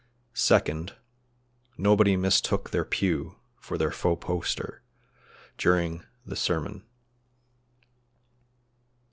Second, nobody mistook their pew for their four poster during the sermon.